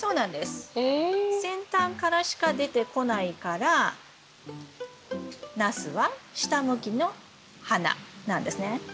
先端からしか出てこないからナスは下向きの花なんですね。